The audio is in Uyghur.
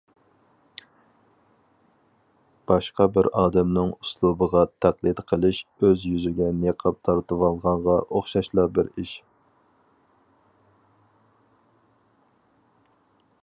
باشقا بىر ئادەمنىڭ ئۇسلۇبىغا تەقلىد قىلىش ئۆز يۈزىگە نىقاب تارتىۋالغانغا ئوخشاشلا بىر ئىش.